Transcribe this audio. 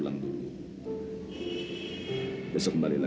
yang akan membawa